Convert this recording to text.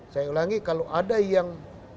saya ulangi kalau ada yang